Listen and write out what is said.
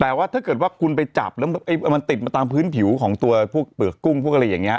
แปลว่าถ้าเกิดว่าคุณไปจับมันติดมาตามพื้นพิวของตัวบุกปเผลอกุ้งพวกอะไรอย่างเงี้ย